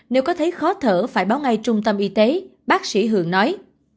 nếu có thấy khó thở phải báo ngay trung tâm y tế bác sĩ hường nói